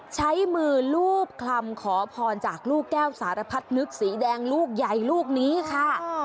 ใช้มือลูบคำขอพรจากลูกแก้วสารพัดนึกสีแดงลูกใหญ่ลูกนี้ค่ะ